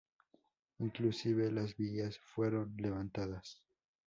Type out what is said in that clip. Inclusive las vías fueron levantadas.